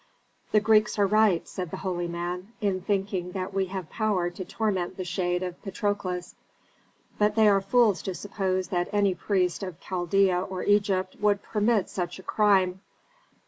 "The Greeks are right," said the holy man, "in thinking that we have power to torment the shade of Patrokles, but they are fools to suppose that any priest of Chaldea or Egypt would permit such a crime.